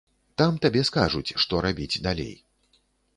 Там табе скажуць, што рабіць далей.